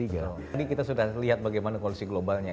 jadi kita sudah lihat bagaimana kondisi globalnya